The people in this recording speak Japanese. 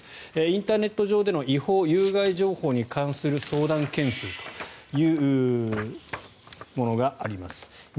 インターネット上での違法・有害情報に関する相談件数というものがあります。